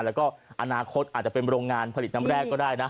แล้วก็อนาคตอาจจะเป็นโรงงานผลิตน้ำแรกก็ได้นะ